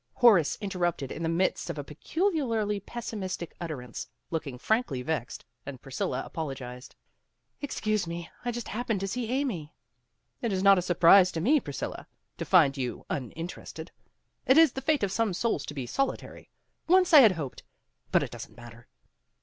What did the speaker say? Horace interrupted in the midst of a peculiarly pessimistic utterance, looked frankly vexed, and Priscilla apologized. " Excuse me, I just happened to see Amy." "It is not a surprise to me, Priscilla, to find you uninterested. It is the fate of some souls to be solitary. Once I had hoped but it doesn't matter."